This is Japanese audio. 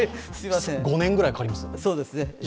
５年ぐらいかかります。